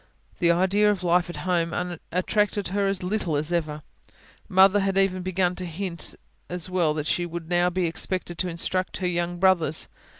The idea of life at home attracted her as little as ever Mother had even begun to hint as well that she would now be expected to instruct her young brothers.